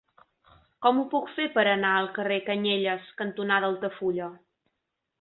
Com ho puc fer per anar al carrer Canyelles cantonada Altafulla?